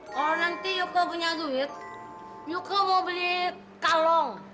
kalau nanti yuka punya duit yuka mau beli kalong